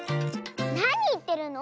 なにいってるの！